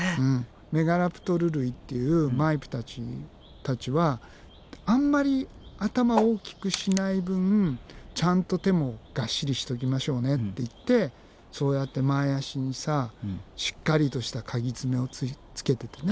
メガラプトル類っていうマイプたちはあんまり頭大きくしない分ちゃんと手もガッシリしときましょうねっていってそうやって前あしにさしっかりとしたカギ爪をつけててね。